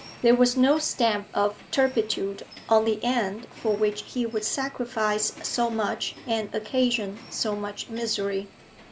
There was no stamp of turpitude on the end for which he would sacrifice so much and occasion so much misery.